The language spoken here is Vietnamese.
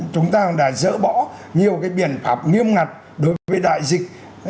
chúng ta cũng đã dỡ bỏ nhiều cái biện pháp nghiêm ngặt đối với đại dịch